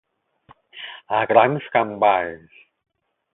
A grans gambades.